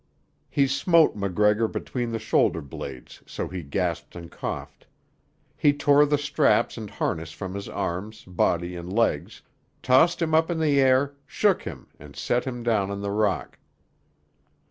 He smote MacGregor between the shoulder blades so he gasped and coughed. He tore the straps and harness from his arms, body and legs, tossed him up in the air, shook him and set him down on the rock.